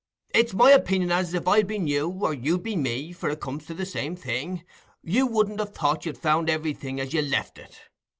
It's my opinion as, if I'd been you, or you'd been me—for it comes to the same thing—you wouldn't have thought you'd found everything as you left it.